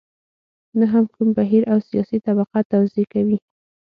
نه هم کوم بهیر او سیاسي طبقه توضیح کوي.